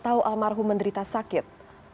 atau almarhum menderita sakit